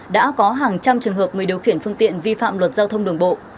đã có hàng trăm trường hợp người điều khiển phương tiện vi phạm luật giao thông đường bộ